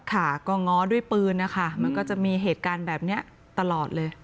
ค่ะก็ง้อด้วยปืนนะคะมันก็จะมีเหตุการณ์แบบนี้ตลอดเลย